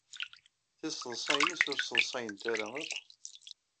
Tiseḍsa-nnes ur sseḍsayent akk.